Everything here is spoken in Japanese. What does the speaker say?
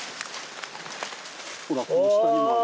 ほらこの下にもある。